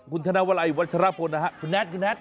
คุณธนวรัยวัชรพลคุณแน็ต